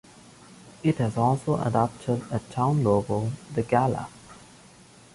It has also adopted a town logo, the galah.